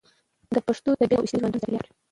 چې د پښتنو د طبیعي او اجتماعي ژوندون د چاپیریال